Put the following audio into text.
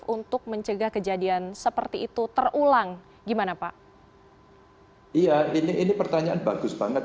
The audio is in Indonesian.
untuk mencegah kejadian seperti itu terulang gimana pak iya ini ini pertanyaan bagus banget